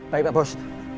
baik pak bos